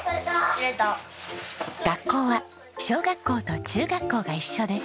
学校は小学校と中学校が一緒です。